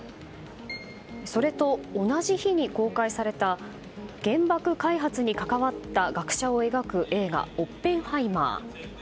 それと同じ日に公開された原爆開発に関わった学者を描く映画「オッペンハイマー」。